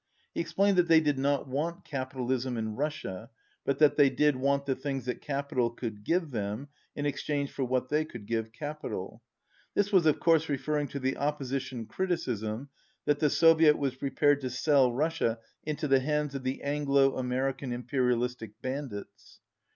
He explained that they did not want capitalism in Russia but that they did want the things that capital could give them in exchange for what they could give capital. This was, of course, referring to the opposition criticism that the Soviet was prepared to sell Russia into the hands of the "Anglo American Imperialistic bandits."